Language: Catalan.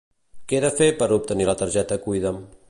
Que he de fer per obtenir la targeta Cuida'm?